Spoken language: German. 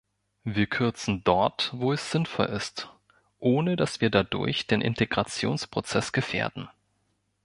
Wir kürzen dort, wo es sinnvoll ist, ohne dass wir dadurch den Integrationsprozess gefährden.